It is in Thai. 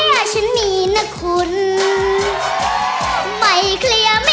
หน้าโมโฮมันหน้าโมโฮไม่ใช่อะไร